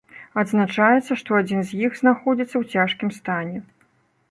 Адзначаецца, што адзін з іх знаходзіцца ў цяжкім стане.